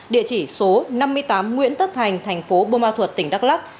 địa chỉ số năm mươi tám nguyễn tất thành thành phố bô ma thuật tỉnh đắk lắc